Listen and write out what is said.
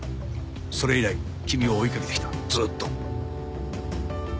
それ以来君を追いかけてきたずーっと。